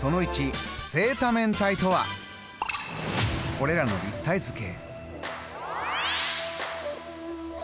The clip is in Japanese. これらの立体図形。